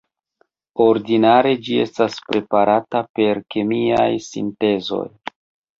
Ordinare ĝi estas preparata per kemiaj sintezoj.